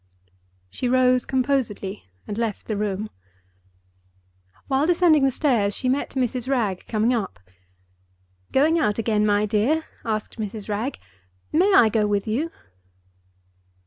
She rose composedly and left the room. While descending the stairs, she met Mrs. Wragge coming up. "Going out again, my dear?" asked Mrs. Wragge. "May I go with you?"